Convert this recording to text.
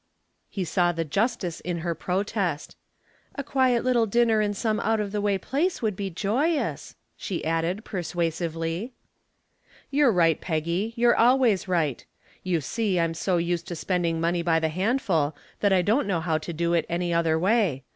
He saw the justice in her protest. "A quiet little dinner in some out of the way place would be joyous," she added, persuasively. "You're right, Peggy, you're always right. You see, I'm so used to spending money by the handful that I don't know how to do it any other way.